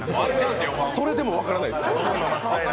それでも分からないです。